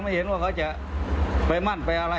ไม่เห็นว่าเขาจะไปมั่นไปอะไร